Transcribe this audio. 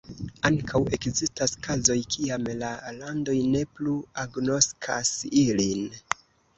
Ankaŭ ekzistas kazoj kiam la landoj ne plu agnoskas ilin.